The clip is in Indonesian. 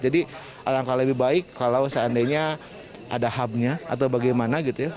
jadi alangkah lebih baik kalau seandainya ada hubnya atau bagaimana gitu ya